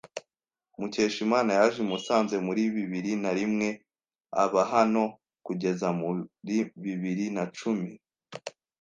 Mukeshimana yaje i Musanze muri bibiri narimwe aba hano kugeza muri bibiri nacumi.